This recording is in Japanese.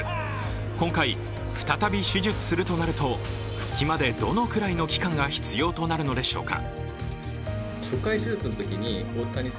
今回、再び手術するとなると復帰までどのくらいの期間が必要となるのでしょうか。